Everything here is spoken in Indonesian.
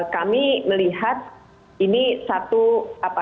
kami melihat ini sangat berharap ya